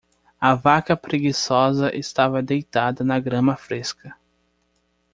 A vaca preguiçosa estava deitada na grama fresca.